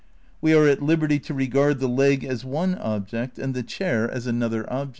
We are at liberty to regard the leg as one object and the chair as another object.